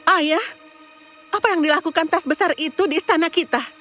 ayah apa yang dilakukan tes besar itu di istana kita